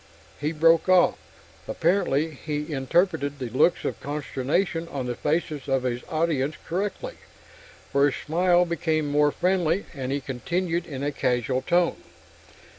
He broke off. Apparently he interpreted the looks of consternation on the faces of his audience correctly, for his smile became more friendly and he continued in a casual tone.